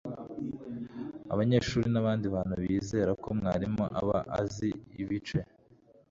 abanyeshuri n'abandi bantu bizera ko mwarimu aba azi ibice